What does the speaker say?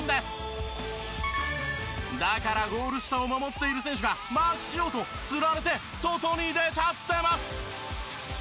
だからゴール下を守っている選手がマークしようとつられて外に出ちゃってます。